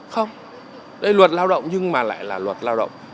không đây là luật lao động nhưng lại là luật lao động